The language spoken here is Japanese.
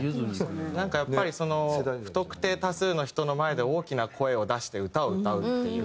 なんかやっぱり不特定多数の人の前で大きな声を出して歌を歌うっていう。